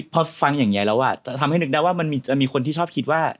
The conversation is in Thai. พอฟังอย่างนี้แล้วจะทำให้นึกได้ว่ามันจะมีคนที่ชอบคิดว่า